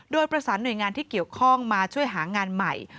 โดยประสานหน่วยงานที่เกี่ยวข้องมาช่วยหางานใหม่